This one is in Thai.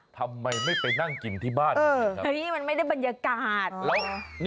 ทำไมไม่ไปนั่งกินที่บ้าน